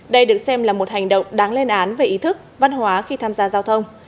đây được xem là một hành động đáng lên án về ý thức văn hóa khi tham gia giao thông